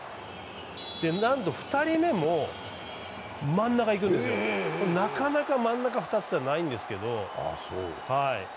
なんと２人目も真ん中いくんですよなかなか真ん中２つっていうのはないんですけど。